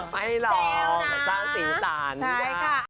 ไม่หรอกสร้างสีตัน